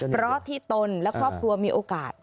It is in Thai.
เพราะที่ตนและครอบครัวมีโอกาส